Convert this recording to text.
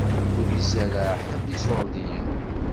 Ur izerreɛ ḥedd iṣuṛdiyen.